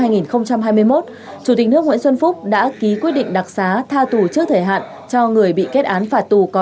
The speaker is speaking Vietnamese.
nước nguyễn xuân phúc đã ký quyết định đặc giá tha tù trước thời hạn cho người bị kết án phạt tù có